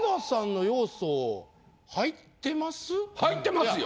入ってますよ。